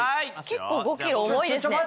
結構５キロ重いですね。